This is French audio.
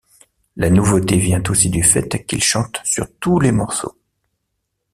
La nouveauté vient aussi du fait qu'il chante sur tous les morceaux.